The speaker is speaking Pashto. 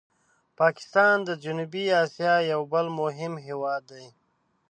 پاکستان د جنوبي آسیا یو بل مهم هېواد دی.